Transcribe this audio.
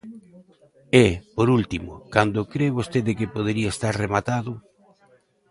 E, por último, cando cre vostede que podería estar rematado.